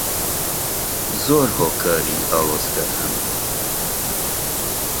زۆر هۆکاری ئاڵۆزکەر هەن.